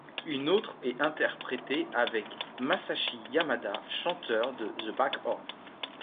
Une autre est interprétée avec Masashi Yamada, chanteur de The Back Horn.